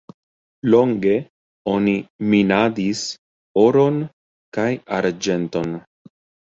Longe oni minadis oron kaj arĝenton.